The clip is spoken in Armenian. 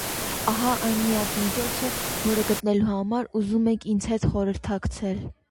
Ահա այն միակ միջոցը, որը գտնելու համար ուզում եք ինձ հետ խորհրդակցել: